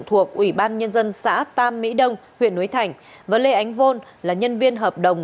thuộc ủy ban nhân dân xã tam mỹ đông huyện núi thành và lê ánh vôn là nhân viên hợp đồng